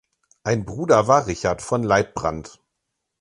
Ein Bruder war Richard von Leibbrand.